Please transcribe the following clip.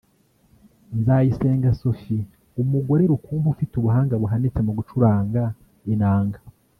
Nzayisenga Sophie [umugore rukumbi ufite ubuhanga buhanitse mu gucuranga inanga]